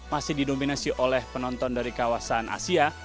masih didominasi oleh penonton dari kawasan asia